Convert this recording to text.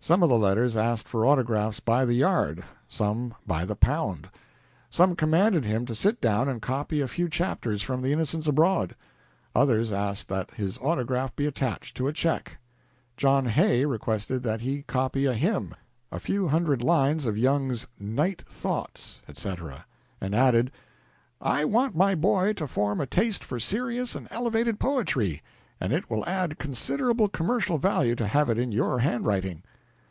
Some of the letters asked for autographs by the yard, some by the pound. Some commanded him to sit down and copy a few chapters from "The Innocents Abroad." Others asked that his autograph be attached to a check. John Hay requested that he copy a hymn, a few hundred lines of Young's "Night Thoughts," etc., and added: "I want my boy to form a taste for serious and elevated poetry, and it will add considerable commercial value to have it in your handwriting."